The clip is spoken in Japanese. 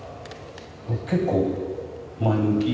結構前向き？